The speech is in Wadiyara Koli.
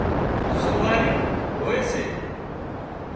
سواريون هوئي سي